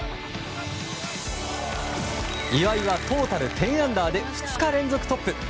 岩井はトータル１０アンダーで２日連続トップ。